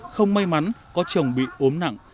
không may mắn có chồng bị ốm nặng